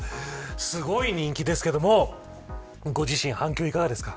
すごい人気ですけどもご自身、反響いかがですか。